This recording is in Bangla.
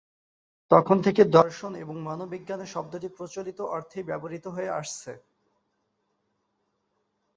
তখন থেকে দর্শন এবং মনোবিজ্ঞানে শব্দটি প্রচলিত অর্থেই ব্যবহৃত হয়ে আসছে।